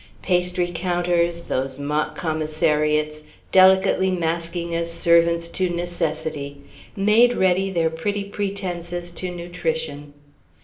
Pastry counters, those mock commissariats, delicately masking as servants to necessity, made ready their pretty pretences to nutrition.